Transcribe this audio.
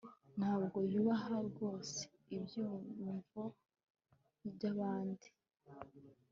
ntabwo yubaha rwose ibyiyumvo byabandi